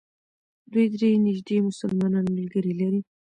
دوی درې نژدې مسلمان ملګري لري.